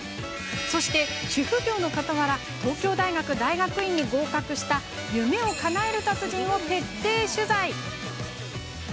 そして、主婦業のかたわら東京大学大学院に合格した夢をかなえる達人を徹底取材。